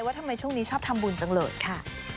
ว่าทำไมช่วงนี้ชอบทำบุญจังเลยค่ะ